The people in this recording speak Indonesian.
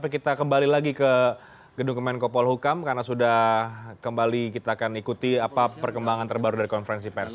kita kembali lagi ke gedung kemenkopol hukam karena sudah kembali kita akan ikuti apa perkembangan terbaru dari konferensi pers